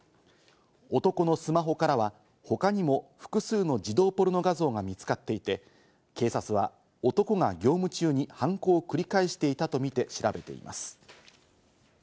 男のスマホからは、他にも複数の児童ポルノ画像が見つかっていて、警察は男が業務中に犯行を繰り返していたとみて調べています。